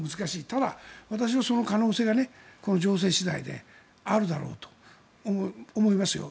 ただ、私はその可能性がこの情勢次第であるだろうと思いますよ。